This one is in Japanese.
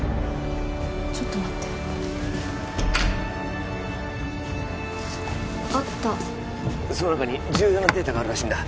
ちょっと待ってあったその中に重要なデータがあるらしいんだ